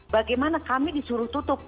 bagaimana kami disuruh tutup